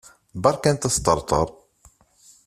Berkamt asṭerṭer!